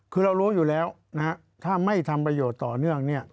คือเรารู้อยู่แล้วถ้าไม่ทำประโยชน์ต่อเนื่อง